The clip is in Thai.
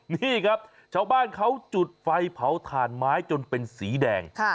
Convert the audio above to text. นี่ครับชาวบ้านเขาจุดไฟเผาถ่านไม้จนเป็นสีแดง